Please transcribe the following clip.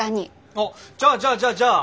あっじゃあじゃあじゃあじゃあ！